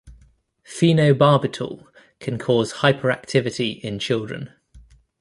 Phenobarbital can cause hyperactivity in children.